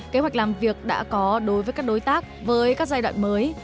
kế hoạch làm việc đã có đối với các đối tác với các giai đoạn mới